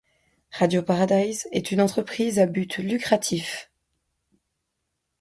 Radio Paradise est une entreprise à but lucratif.